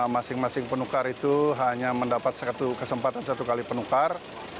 masing masing penukar itu hanya mendapat satu kesempatan satu kali penukar